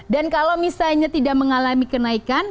dan kalau misalnya tidak mengalami kenaikan